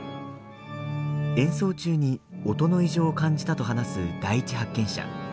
演奏中に音の異常を感じたと話す第一発見者。